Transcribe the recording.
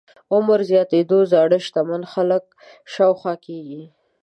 عمر زياتېدو زاړه شتمن خلک شاوخوا کېږي.